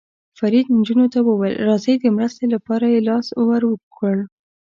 فرید نجونو ته وویل: راځئ، د مرستې لپاره یې لاس ور اوږد کړ.